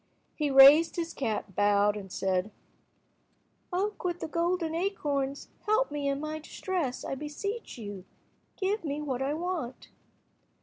He raised his cap, bowed, and said— "Oak with the golden acorns, help me in my distress, I beseech you. Give me what I want."